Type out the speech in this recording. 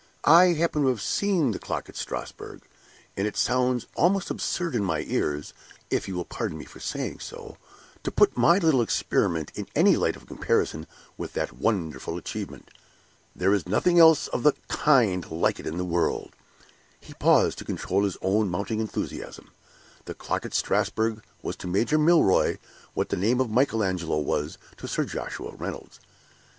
"I happen to have seen the clock at Strasbourg; and it sounds almost absurd in my ears (if you will pardon me for saying so) to put my little experiment in any light of comparison with that wonderful achievement. There is nothing else of the kind like it in the world!" He paused, to control his own mounting enthusiasm; the clock at Strasbourg was to Major Milroy what the name of Michael Angelo was to Sir Joshua Reynolds.